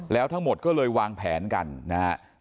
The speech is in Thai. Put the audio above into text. แล้วทั้งหมดก็เลยวางแผนกันนะครับ